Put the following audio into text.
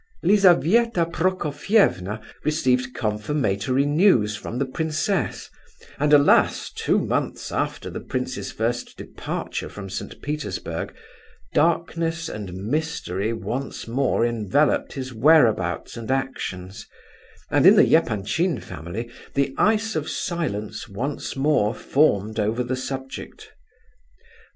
Lizabetha Prokofievna received confirmatory news from the princess—and alas, two months after the prince's first departure from St. Petersburg, darkness and mystery once more enveloped his whereabouts and actions, and in the Epanchin family the ice of silence once more formed over the subject.